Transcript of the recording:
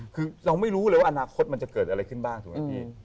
คือเราไม่รู้เลยว่าอนาคตมันจะเกิดอะไรขึ้นบ้างถูกไหมพี่